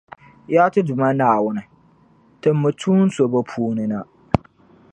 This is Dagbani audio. Yaa ti Duuma Naawuni! Timmi tuun’ so bɛ puuni na